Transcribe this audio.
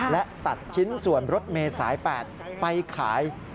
และตัดชิ้นส่วนรถเมษาย๘ไปขาย